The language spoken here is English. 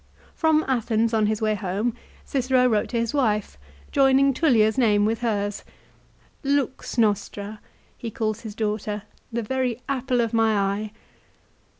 From Athens on his way home Cicero wrote to his wife, joining Tullia's name with hers. " Lux nostra " he calls his daughter ;" the very apple of my eye